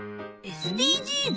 ＳＤＧｓ？